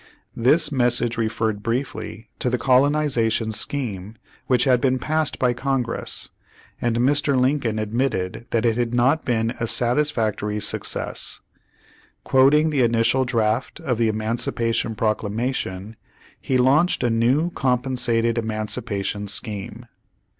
This m.essage referred briefly to the coloniza tion scheme which had been passed by Congress, and Mr. Lincoln admitted that it had not been a satisfactory success. Quoting the initial draft of the Emancipation Proclamation, he launched a new compensated emancipation scheme.